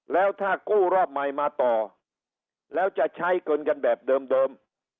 แล้วถ้ากู้รอบใหม่มาต่อแล้วจะใช้เงินกันแบบเดิม